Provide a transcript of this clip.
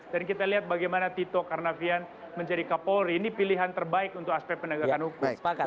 dan kita lihat bagaimana tito karnavian menjadi kapolri ini pilihan terbaik untuk aspek penegakan hukum